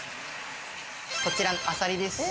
こちらのアサリです。